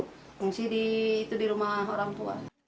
mengungsi di rumah orang tua